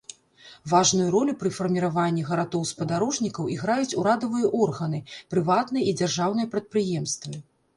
Важную ролю пры фарміраванні гарадоў-спадарожнікаў іграюць урадавыя органы, прыватныя і дзяржаўныя прадпрыемствы.